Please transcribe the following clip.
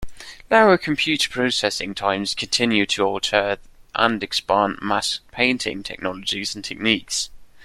Lower computer processing times continue to alter and expand matte painting technologies and techniques.